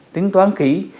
tính toán kỹ